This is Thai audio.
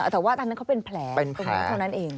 แต่ว่าแต่นะเขาเป็นแพหเป็นแพหเท่านั้นเอง